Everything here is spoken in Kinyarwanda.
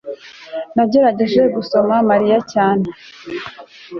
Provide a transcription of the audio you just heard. nagerageje gusoma mariya cyane